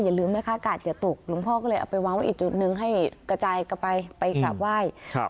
อย่าลืมนะคะกาดอย่าตกหลวงพ่อก็เลยเอาไปวางไว้อีกจุดหนึ่งให้กระจายกลับไปไปกราบไหว้ครับ